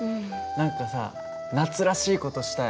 何かさ夏らしい事したい。